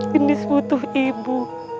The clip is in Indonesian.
gendis butuh ibu